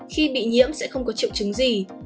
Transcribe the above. khi bị nhiễm sẽ không có triệu chứng gì